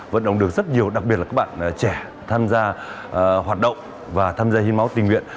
vận động được rất nhiều đặc biệt là các bạn trẻ tham gia hoạt động và tham gia hiến máu tình nguyện